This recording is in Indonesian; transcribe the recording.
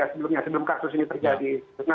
sebelum kasus ini terjadi